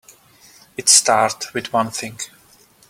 It start with one thing.